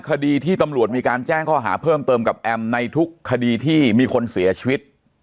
คดีที่ตำรวจมีการแจ้งข้อหาเพิ่มเติมกับแอมในทุกคดีที่มีคนเสียชีวิต